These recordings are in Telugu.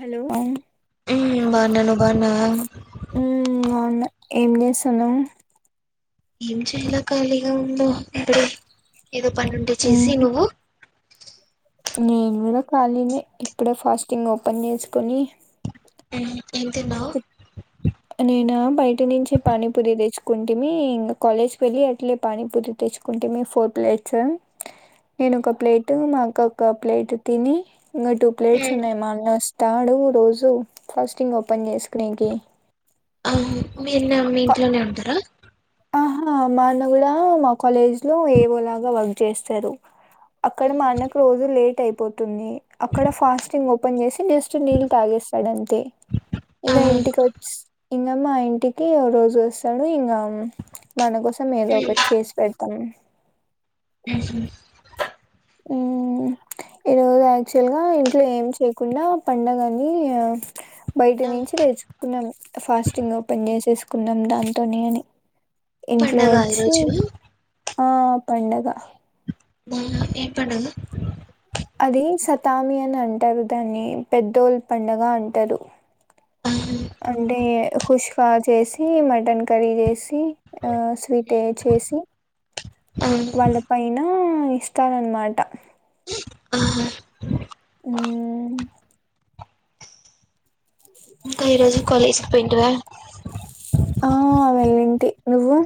హలో మహ్మ్ బాగున్నా నువ్వు బాగున్నావా ఎండి సన్నాం ఏం చేయాల ఖాళీగా ఉందో ఇప్పుడు ఏదో పని ఉంటే ఉమ్ చేసి నువ్వు నేను కూడా ఖాళీని ఇప్పుడే ఫాస్టింగ్ ఓపెన్ చేసుకుని ఎంతన్నావు నేనా బయట నుంచి పానీపూరి తెచ్చుకుంటేమి ఇంకా కాలేజ్కి వెళ్ళి అట్లే పానీపూరి తెచ్చుకుంటేమి ఫోర్ ప్లేట్స్ నేను ఒక ప్లేట్ మా అక్క ఒక ప్లేట్ తిని ఇంకా టూ ప్లేట్స్ ఉమ్ ఉన్నాయి మామినోస్ తాడు రోజు ఫాస్టింగ్ ఓపెన్ చేసుకునేనికి ఆ మీఅన్న మీ ఇంట్లోనే ఉంటారా ఆహా మా అన్న కూడా మా కాలేజ్ లో ఏవోలాగా వర్క్ చేస్తారు అక్కడ మా అన్నకు రోజు లేట్ అయిపోతుంది అక్కడ ఫాస్టింగ్ ఓపెన్ చేసి జస్ట్ నీళ్ళు తాగేస్తాడు. అంతే ఆ ఇంకా ఉమ్ ఇంటికి వచ్చ్ ఇంక మా ఇంటికి రోజు వస్తాడు ఇంగ మనకుస్ ఏదో ఒకటి చేసి పెడ తం హ్మ్మ్ ఈరోజు యాక్చువల్గా ఇంట్లో ఏం చేయకుండా పండగని బయట ఆ నించి తెచ్చు కున్నాం ఫాస్టింగ్ ఓపెన్ చేసేసుకున్నాం. దాంతోనే అని ఇంట్లో పండగ వచ్చి ఈరోజు ఆ పండగ ఏం పండగ అది సతామి అని అంటారు దాన్ని పెద్దోల్ పండుగ అంటారు ఆ అంటే కుష్కా చేసి మటన్ కర్రీ చేసి ఆ స్వీట్ చేసి ఆ వాళ్ళ పైన ఇస్తారన్మాట ఆహా హ్మ్మ్ అక్క ఈరోజు కాలేజీకి పోయింటివా ఆ పోయింటి నువ్వు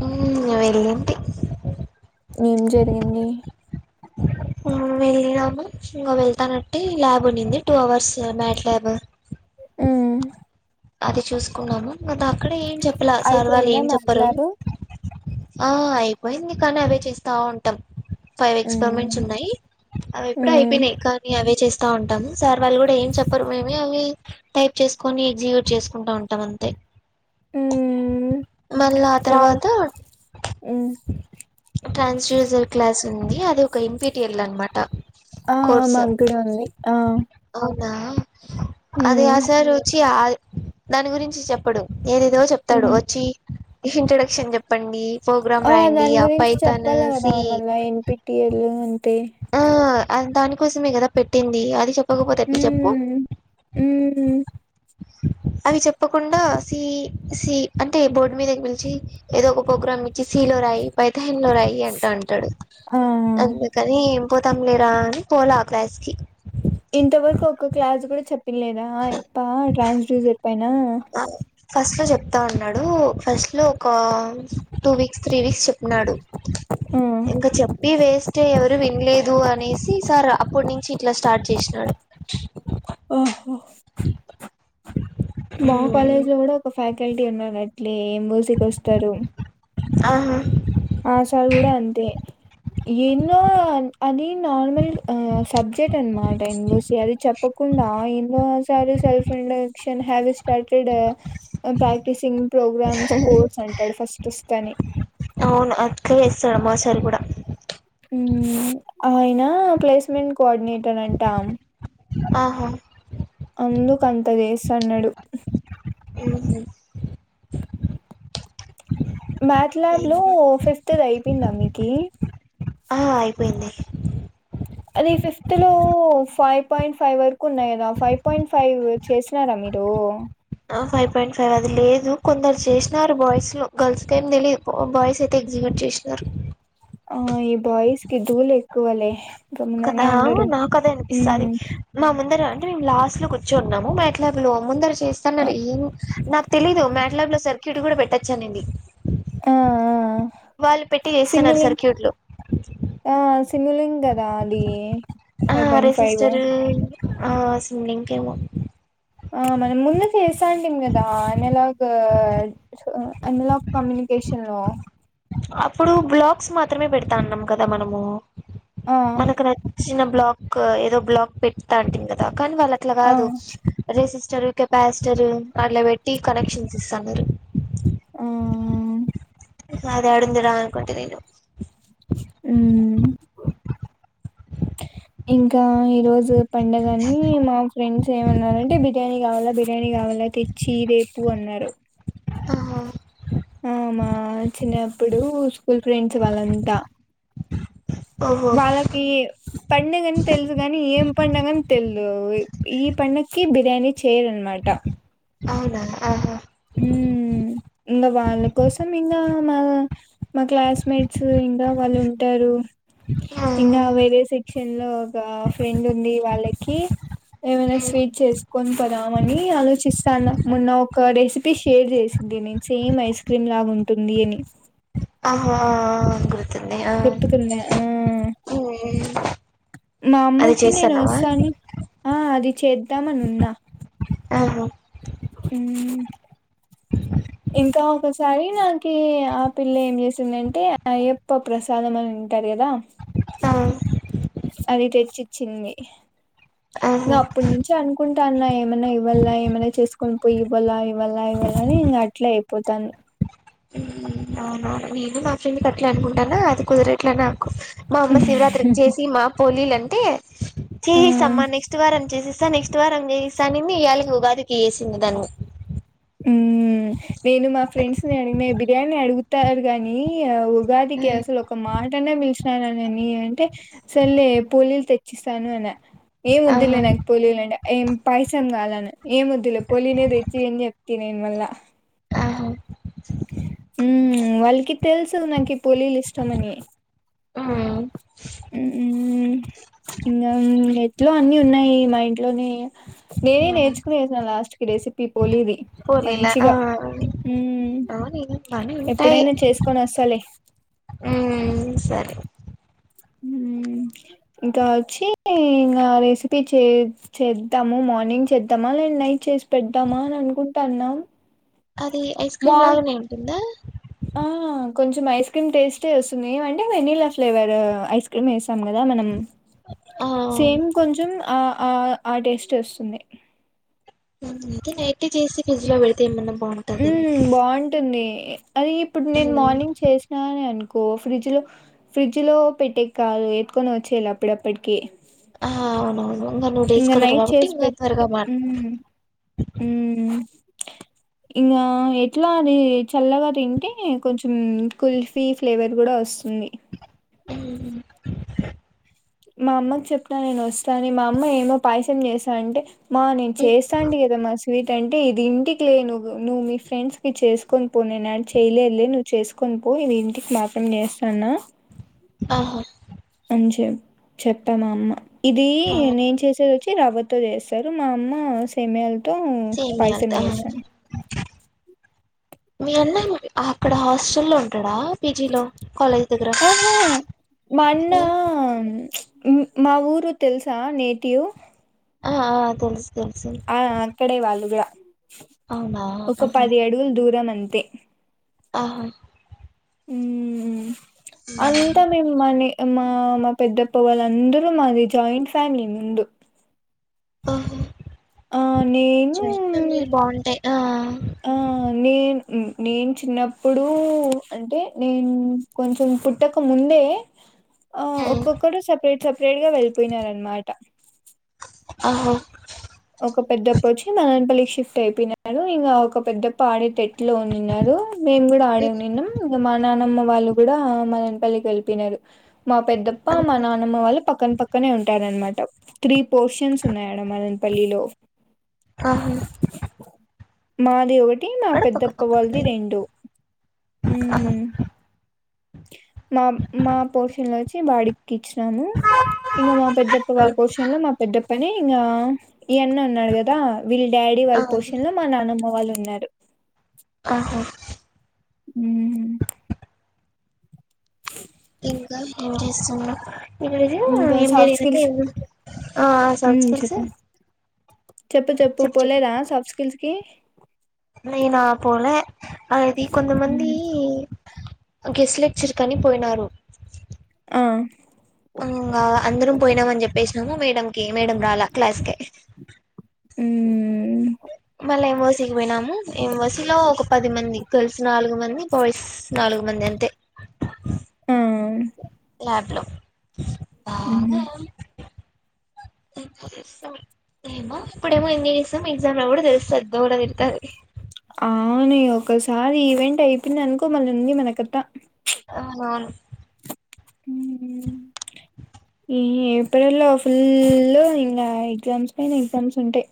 మ్మ్ వెళ్ళింటి ఏం జరిగింది వెళ్ళినాము ఇంకా వెళ్తానట్టే ల్యాబ్ ఉంది టూ అవర్స్ మ్యాట్ ల్యాబ్ ఉమ్ అది చూసుకున్నాము. బట్ అక్కడే ఏం చె ప్పలా సార్ వాళ్ళు అయిపోయిందా ఏం చెప్పలేదు మాట్లాడు ఆ అయిపోయింది కానీ అవే చేస్తా ఉంటా ఫైవ్ ఎక్స్పరిమెంట్స్ ఉమ్ ఉన్నాయి అవి ఎప్పుడు ఉమ్ అయిపోయినాక అవే చే స్తా ఉంటాము సార్ వాళ్ళు కూడా ఏం చెప్పరు మేమ అవి టైప్ చేసుకొని జెట్ చేసుకుంటా ఉంటాం అంతే ఉమ్ మళ్ళా ఆ మాక్ తర్వాత ఉమ్ ట్రాన్స్ జూజర్ క్లాస్ ఉంది అది ఒక ఇం పీ టి ఎల్ అనమాట ఆ కోర్స్ మాక్కూడా ఉంది ఆ అవునా ఆది ఉమ్ ఆసార్ వచ్చి ఆద్ దాని గురించి చెప్పడు ఏదేదో చెప్తాడు ఉమ్ వచ్చి ఇంట్రొడక్షన్ చెప్పండి, ప్రోగ్రాం ఆ రాయండి, దాని ఆ గురించి పైథాను చెప్పాలి కదా సీ. మళ్ళా ఎన్పిటిఎల్ అంటే ఆ అం దాని కోసమే కదా పెట్టింది అది చెప్ హుమ్ హుం అవి చెప్పకుండా సి, సి అంటే బోర్డు మీద పిలిచి ఏదో ఒక. ప్రోగ్రామ్ ఇచ్చి సీ లో రాయి పైథాన్ లో రాయి అంట అంటాడు ఆ అందుకని ఏం పోతాం లేరా అని పోలా ఆ క్లాస్ కి ఇంతవరకు ఒక్క క్లాస్ కూడా చెప్పలేదా ఆయి ప్పా ట్రాన్స్డ్యూజర్ పైన తా ఉన్నాడు ఫస్ట్ లో ఒక టూ వీక్ త్రీ వీక్స్ చెప్పినాడు, ఆ ఇంకా చెప్పి వేస్ట్ ఏ ఎవరు వినలేదు అనేసి సార. అప్పడునుంచి ఇట్లా స్టార్ట్ చేసినాడు ఓహో మా కాలేజీలో కూడా ఒక ఫ్యాకల్టీ ఉన్నారు అట్లే మూసేకి వస్తారు ఆహా ఆ సార్ కూడా అంతే ఎన్నో అది నార్మల్ ఆ సబ్జెక్ట్ అనమాట ఎన్ ఓ సి అది చెప్పకుండా ఎన్నోసారి self instruction. Can have a started ఆ ప్రాక్టీసింగ్ ప్రోగ్రామ్స్ కోడ్స్ అంటాడు ఫస్ట్ వస్ తానే అవును అట్లే వేస్తాడు మా సార్ కూడా మ్మ ఆయనా ప్లేస్మెంట్ కోఆర్డినేటర్ అంటా ఆహా అందుకు అంత చేస్సన్నాడు ఉనులే మ్యాథ్ ల్యాబ్ లో ఫిఫ్త్ది అయిపోయిందా మీకి. ఆ అయిపోయింది అది ఫిఫ్త్ లో ఫైవ్ పాయింట్ ఫైవ్ వరకు ఉన్నాయి కదా ఫైవ్ పాయింట్ ఫైవ్ చేసినారా మీరు, ఆ ఫైవ్ పాయింట్ ఫైవ్ అది లేదు కొందరు చేసినారు బాయ్స్ లో గర్ల్స్ కేం తెలీయదు బాయ్స్ అయితే ఎగ్జిక్యూట్ చేసినారు. ఆ ఈ బాయ్స్ కి ధూలు ఎక్కువలే గమ్ముననే కదా ఉండరు నాకదే అనిపిస్సాది ఉమ్ నా ముం రు అంటే మేము లాస్ట్ లో కూర్చున్నాము బట్ ముందరా ఆ చేస్తన్నారు ఏం నాకు తెలీదు మ్యాట్లాబ్ లో సర్క్యూట్ కూడా పెట్టొచ్చు అనింది ఆ ఆ ఆ వాళ్ళు పెట్టి చేస్తున్నారు సిమ్మిలింగ్ సర్క్యూట్లు ఆ సిమ్ములింగ్ గదా అది ఆ ఫైవ్ పాయింట్ ఫైవు రెసిస్టర్ ఆ సిమ్మిలింక్ ఏమో ఆ మనం ముందే చేస్ సాంటిం కదా అనలాగ్ అనలాగ్ కమ్యూనికషన్ లో అప్పుడు బ్లాక్స్ మాత్రమే పెడతాన్నాం కదా మనమూ ఆ మనకు నచ్చిన బ్లాక్ ఏదో బ్లాక్ పెట్టుతా అంటి కదా కానీ వాళ్ళు అట్లా ఆ కాదు రేసిస్ టరు కెపాసిటర్ అట్లా పెట్టి కనెక్షన్స్ ఇస్తాన్నారు ఆ అ ఆ అది యాడుంది అనుకుంటి నాను మ్ ఇంకా ఈరోజు పండగని మా ఫ్రెండ్స్ ఏమన్నారంటే బిర్యానీ కావాలా బిర్యానీ కావాలా తెచియి రేపు అన్నారు ఆహా ఆ మా చిన్నప్పుడు స్కూల్ ఫ్రెండ్స్ ఓహో వాళ్ళకీ పండుగ అని తెలుసు కాని ఏం పండగ అని తెల్ ఓ ఈ పండక్కి బిర్యాని చే రన్మాట అవునా ఆహా నా మా క్లాస్ మేట్స్ ఇంకా వాళ్లుంటారు ఆ ఇంగా వేరే సెక్షన్ ఎన్లో ఆ ఫ్రెండ్ ఉంది వాళ్ళకి ఏమైనా స్వీట్ చేసుకొని దామని ఆలోచిస్తాన మొన్న ఒక డేస్ షేర్ చేసింది నేను సేమ్ ఐస్ క్రీమ్ లాగా ఉంటుంది అని ఆ హా ఆ గుర్తుకున్నా ఆ మా అది అమ్మకి నేను చేస్తాన్నావా వస్తాను ఆ అది చేద్దామని ఉన్నా ఆహా మ్ ఇంకా ఒకసారి నాకి ఆ పిల్ల ఏం చేసిందంటే అయ్యప్ప ప్రసాదం అని ఉంటారు కదా ఆ అది తెచ్చిచ్చింది ఆహా నువ్ అప్పటి నుంచి అనుకు అనుకుంటా అన్నా ఏమైనా ఇవ్వళ, ఏమైనా చేసుకుని పోయి ఇవ్వాల, ఇవాళ ఇవ్వళని నే అట్లే అయిపోతాంది. అవునా నేను మా ఫ్రెండ్ కు అట్లా అనుకుంటాన్నా అది కుదరట్లేనా మా అమ్మ శివరాత్రి జేసి మా పోలీలన్ టే చేయిస్ అమ్మా నెక్స్ట్ వారం చేసిస్ స్సా నెక్స్ట్ వారం చేయిస్సా అనింది ఇయాలకి ఉగాదికి యేసింది దాన్ని. ఉమ్ నేను మా ఫ్రెండ్స్ ని అడిగినా బిర్యానీ అడుగు తారు గాని ఆ ఊ ఆ! ఉగాదికి అసలు ఒక మాటన్న పిల్చు టానాని అని అంటే సరలే పోలీలు తెచ్చిస్తాను అన ఏం వోద్దులే ఆహా! నాక్ పోలిలు లండా ఏం పైసాం కాలని ఏం వద్దులే పొలినే తెచ్చియి అని చెప్ తినీన్ మళ్ళ ఆహా హుమ్ వాళ్ కి తెలుసు నాకు పోలీలు ఇష్టమని ఆ హ్మ్ ఇంట్లో అన్ని ఉన్నాయి మా ఇంట్లోనే నేనే హ్మ్. నేర్చుకుని వేసిన లాస్ట్ కి రెసిపీ పోలిది పోలీలా ఆ! మంచిగా హ్మ్ అవునేమో బానే ఉంటాయి. ఎప్పుడైనా చేసుకొని వస్తాలె హ్మ్. సరే. ఇంకా వచ్చి ఇంకా రెసిపీ చే చేద్దాము మార్నింగ్ చేద్దామా లే నైట్ చేసి పెడద్దామా అని అనుకుంటానా అది ఐస్ క్రీమ్ లాగానే ఉంటుందా ఆ కొంచెం ఐస్ క్రీమ్ టేస్టే వస్తుంది అంటే వెనీలా ఫ్లేవర్ ఐస్ క్రీమ్ వేస్ తం కదా మనం ఆ! ఆ ఆ టేస్ట్ వస్తుంది అందుకే నైటే చేసి ఫ్రిజ్ లో పెడుతే మనం హ్మ్ బాగుంటుంది ఏ అది ఇప్పుడు నేను హ్మ్. మార్నింగ్ చేసినా అని అనుకు కో ఫ్రిడ్జ్ లో ఫ్రిడ్జ్ లో పెట్టే కాదు ఎత్తుకొని వచ్చేయాల అప్పుడప్పటికి ఆ అవునవును నువ్వు డేస్ ఇంగ స్కాలర్ నైట్ కాబట్టి చేస్ ఇంగ పెట్ త్వరగా మాడ్ ఇంకా ఎట్లా అది చల్లగా తింటే కొంచెం కుల్ఫీ ఫ్లేవర్ కూడా వస్తుంది ఉ మా అమ్మకి చెప్పిన నేను వస్తాని మా అమ్మ ఏమో పాయసం చేశా అంటే మా నేను చేస్తాండి కదా మస్ స్వీట్ అంటే ఇది ఇంటికి లే నువు నువ్వు మీ ఫ్రెండ్స్ కి చేసుకొని పో నేను అన్ చేయలేదులే నువ్వు చేసుకొని పో ఇది ఇంటికి మాత్రం చేస్తన్న ఆహా నూచెం చెప్పా మా అమ్మ ఇది అవును నేను చేసేది వచ్చ ఇది రవ్వతో చేస్తారు మా అమ్మ సెమీయాల తో సేమియాలు పాయసం ఆహా చేస్తది మీ అన్నా మూవీ ఆర్ ఇక్కడ హాస్టల్ లో ఉంటాడా పీజీ లో కాలే ఆహా మా అన్న ఉం మా ఊరు తెలుసా నేటివ్ హా హా తెలుసు తెలుసు ఆ అక్కడే వాళ్లు గుడా అవునా ఒక ఆహా పది అడుగులు దూరం అం తే ఆహా ఉ అంతా మేము మనీ మా మా పెద్దత్త వాళ్లు అందరూ మాది జాయింట్ ఫ్యామిలీ ముందు ఆహ ఆ నేను జాయింట్ ఫ్యామిలీలు బాగుంటాయి ఆ ఆ నేను నేను చిన్నప్పుడు అంటే నేను కొంచెం పుట్టకముందే ఒక్కొక్కడు సపరేట్ సపరేట్ వేడిగా వెళ్ళిపోయినారన్ మాట అహా ఒక పెద్దత్త వచ్చి మదన్పల్లికి షిఫ్ట్ అయిపోయినరు ఇంకా ఒక పెద్దఅత్త ఆడిట్ ఇంట్లో ఉన్నినారు మేము కూడా ఆడే ఉనిన్నాం ఇంగా మా నానమ్మ వాళ్ళు కూడా మదన్పల్లికి వెళ్ళిపేనారు మా పెద్దప్ప మా ఆహా నానమ్మ వాళ్ళు పక్కన పక్కనే ఉంటారు అనమాట త్రీ పోర్షన్స్ ఉన్నాయి ఆడ మదన్ పల్లిలో ఆహా మాది ఒకటి మా పెద్దప్ప వాళ్లది పక్కన రెండు ఉం ఆహా మా మా పోర్షన్లో నుంచి వాడికి ఇచ్చినాము ఇంకా మా పెద్దప్ప ఆ వాళ్ళ పోర్షన్లో మా పెద్దప్పని ఇంగ ఈ అన్న ఉన్నాడు కదా వీళ్ళ డాడీ ఆ వాళ్ళ పోషన్ లో మా నాన్నమ్మ వాళ్ళ ఉన్నారు ఆహా ఉహూ ఇంకా ఏం చేస్తున్నావ్ ఈ రోజు ఇంకా ఏం సాఫ్ట్ స్కిల్స్ జరిగిందంటే ఆ సౌత్ ఉమ్ స్కిల్స్ చెప్పు చెప్పు చెప్పు పోలేదా సాఫ్ట్ స్కిల్స్ కి నేనా పోలే అది కొంతమంది ఉమ్, గెస్ట్ లెక్చర్కని పోయినారు ఆ అందరం పోయినామ అని చెప్పేసినాము మేడంకి మేడం రాలా క్లాస్కి ఉమ్ మళ్ళీ ఎంఓసీకి పోయినాము ఎంఓసీ లో ఒక పది మంది గర్ల్స్ నాలుగు మంది బాయ్స్ నాలుగు మంది అంతే ఆ ల్యాబ్లు ఉమ్ ా ఏమో ఇప్పుడేమో ఎంజాయ్ చేసాం ఎగ్జామ్ లో కూడా తెలుస్తది దూల తీరుతాది అవును ఒకసారి ఈవెంట్ అయిపోయింది అనుకో మళ్ళీ ఉంది మనకథా అవునవును ఈ ఏప్రిల్ లో ఫుల్ ఇంకా ఎగ్జామ్స్ పైన ఎగ్జామ్స్ ఉంటాయి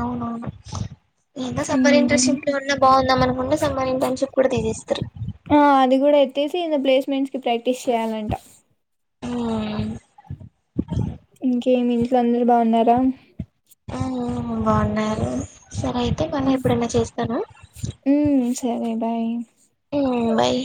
అవునవును ఇంకా సమ్మర్ ఉమ్ ఇంటర్న్షిప్ ఉన్నా బాగుందా అనుకుంట సమ్మర్ ఇంటర్న్షిప్ కూడా తీసేస్తారు ఆ అది కూడా ఎత్తేసి ఇగ ప్లేస్మెంట్స్ కి ప్రాక్టీస్ చెయ్యాలంట ఆ ఇంకేమి ఇంట్లో అందరు బాగున్నారా ఆ బాగున్నారు సరే అయితే మల్ల ఎప్పుడైనా చేస్తాను ఉమ్ సరే బై ఆ బాయ్